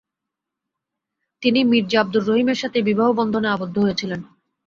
তিনি মির্জা আব্দুর রহিমের সাথে বিবাহবন্ধনে আবদ্ধ হয়েছিলেন।